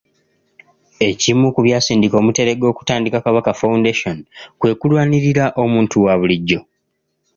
Ekimu ku byasindika Omuteregga okutandika Kabaka Foundation kwe kulwanirira omuntu owaabulijjo.